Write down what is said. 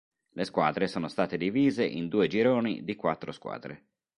Le squadre sono state divise in due gironi di quattro squadre.